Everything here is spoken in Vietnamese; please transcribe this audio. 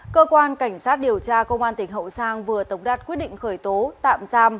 cơ quan cảnh sát điều tra công an tỉnh hậu giang vừa tổng đạt quyết định khởi tố tạm giam